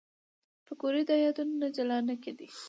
پکورې د یادونو نه جلا نه دي